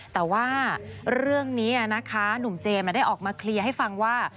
แต่ว่าเรื่องนี้นะคะหนุ่มเจมส์ได้ออกมาเคลียร์ให้ฟังว่า